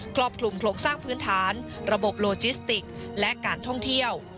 รอบคลุมโครงสร้างพื้นฐานระบบโลจิสติกและการท่องเที่ยว